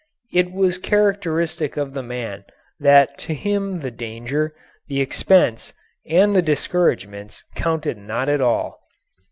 It was characteristic of the man that to him the danger, the expense, and the discouragements counted not at all.